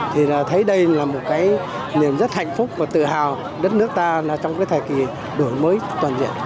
thì thấy đây là một cái niềm rất hạnh phúc và tự hào đất nước ta là trong cái thời kỳ đổi mới toàn diện